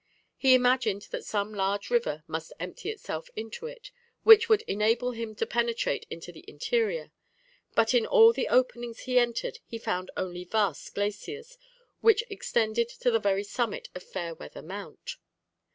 He imagined that some large river must empty itself into it, which would enable him to penetrate into the interior; but in all the openings he entered he found only vast glaciers, which extended to the very summit of Fair Weather Mount.